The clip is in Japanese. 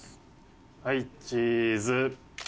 はいチーズ。